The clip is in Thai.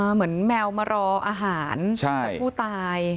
เหมือนแมวมารออาหารจากผู้ตาย